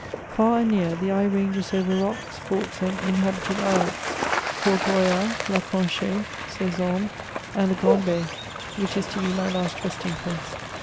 Far and near, the eye ranges over rocks, forts, and inhabited islets. — Fort Royal, La Conch^e, Cezembre, and the Grand B^ which is to be my last resting place.